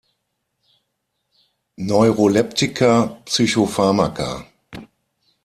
Neuroleptika, Psychopharmaka